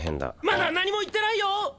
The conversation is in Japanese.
まだ何も言ってないよ！